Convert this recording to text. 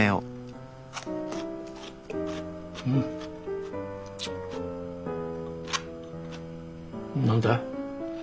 うん。何だ？